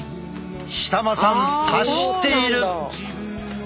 舌間さん走っている！